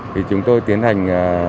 thì chúng tôi tiến hành